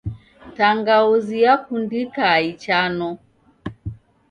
Tangauzi yakundika ichano.